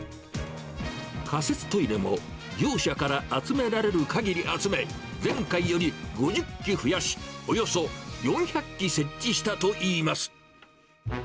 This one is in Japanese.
仮設トイレも業者から集められるかぎり集め、前回より５０基増やし、およそ４００基設置したといいます。